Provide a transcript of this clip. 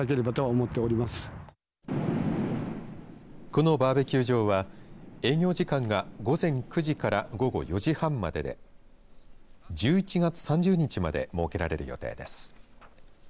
このバーベキュー場は営業時間が午前９時から午後４時半までで１１月３０日まで設けられる予定です。